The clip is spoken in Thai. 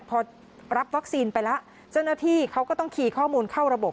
พอรับวัคซีนไปแล้วเจ้าหน้าที่เขาก็ต้องคีย์ข้อมูลเข้าระบบ